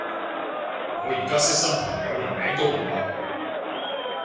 我而家識新朋友連名都唔問